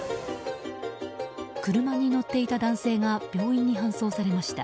車に乗っていた男性が病院に搬送されました。